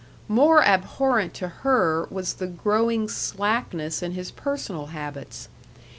More abhorrent to her was the growing slackness in his personal habits....